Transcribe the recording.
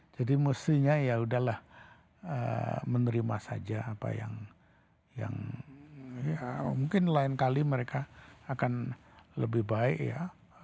jadi mestinya ya udahlah menerima saja apa yang mungkin lain kali mereka akan lebih baik ya